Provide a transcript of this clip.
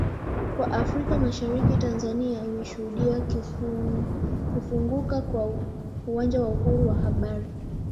Kwa Afrika mashariki Tanzania imeshuhudia kufunguka kwa uwanja wa uhuru wa habari